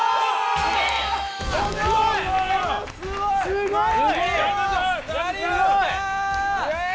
すごい！